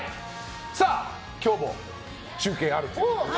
今日も中継があるということで。